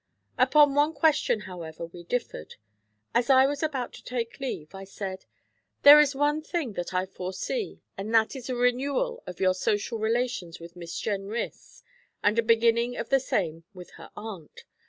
Upon one question, however, we differed. As I was about to take leave, I said: 'There is one thing that I foresee, and that is a renewal of your social relations with Miss Jenrys and a beginning of the same with her aunt.